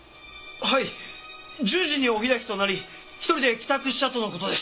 １０時にお開きとなり１人で帰宅したとの事です。